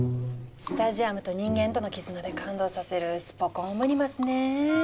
スタジアムと人間との絆で感動させるスポ根オムニバスねぇ。